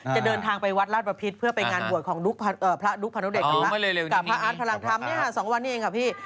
จะเดินทางไปวัดราชประพิษเพื่อไปงานบวชของพระดุ๊กพนุเดชกับพระอาร์ตพลังธรรม๒วันนี้เองค่ะพี่